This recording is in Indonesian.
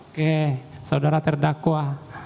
oke saudara terdakwa